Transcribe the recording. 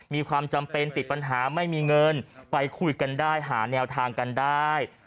มีความจำเป็นติดปัญหาไม่มีเงินไปคุยกันได้หาแนวทางกันได้